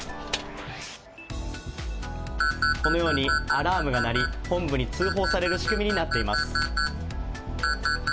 このようにアラームが鳴り、本部に通報される仕組みになっています。